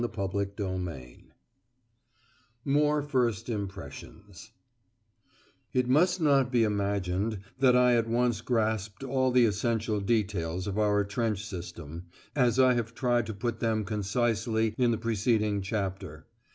CHAPTER VII MORE FIRST IMPRESSIONS It must not be imagined that I at once grasped all the essential details of our trench system, as I have tried to put them concisely in the preceding chapter.